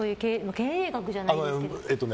経営学じゃないですけど。